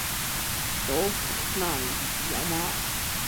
首府纳里扬马尔。